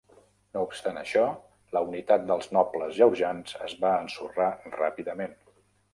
No obstant això, la unitat dels nobles georgians es va ensorrar ràpidament.